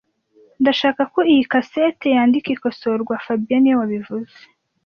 Ndashaka ko iyi cassette yandika ikosorwa fabien niwe wabivuze